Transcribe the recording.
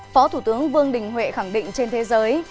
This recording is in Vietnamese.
phó thủ tướng vương đình huệ khẳng định trên thế giới